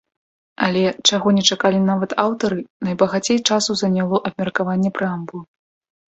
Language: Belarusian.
Але, чаго не чакалі нават аўтары, найбагацей часу заняло абмеркаванне прэамбулы.